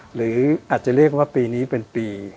หรืออาจจะเรียกว่าปีนี้เป็นปี